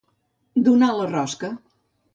Donar la rosca.